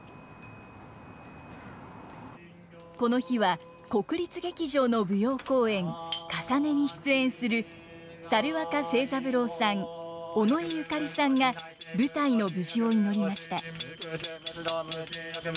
この日は国立劇場の舞踊公演「かさね」に出演する猿若清三郎さん尾上紫さんが舞台の無事を祈りました。